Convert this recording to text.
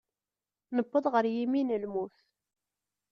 Newweḍ ɣer yimi n lmut.